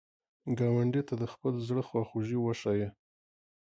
ګاونډي ته د خپل زړه خواخوږي وښایه